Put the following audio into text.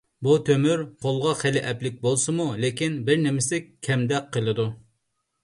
بۇ تۆمۈر قولغا خېلى ئەپلىك بولسىمۇ، لېكىن بىرنېمىسى كەمدەك قىلىدۇ.